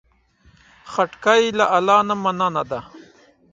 خټکی له الله نه مننه ده.